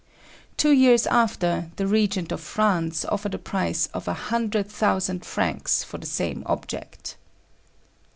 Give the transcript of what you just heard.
Two years after, the Regent of France offered a prize of a hundred thousand francs for the same object.